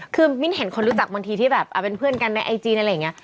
คือมิ้นเห็นคนรู้จักบางทีที่แบบเป็นเพื่อนกันในไอจีอะไรอย่างนี้